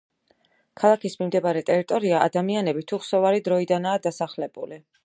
ქალაქის მიმდებარე ტერიტორია ადამიანებით უხსოვარი დროიდანაა დასახლებული.